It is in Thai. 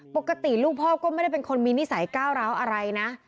ปกติลูกพ่อก็ไม่ได้เป็นคนมีนิสัยก้าวร้าวอะไรนะ